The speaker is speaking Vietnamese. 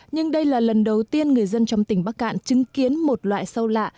nhưng đây là lần đầu tiên người dân trong tỉnh bắc cạn chứng kiến một loại sâu lạ